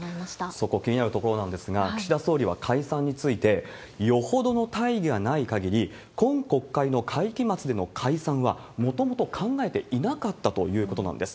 そこ、気になるところなんですが、岸田総理は解散について、よほどの大義がないかぎり、今国会の会期末での解散はもともと考えていなかったということなんです。